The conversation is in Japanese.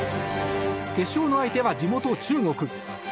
決勝の相手は地元・中国。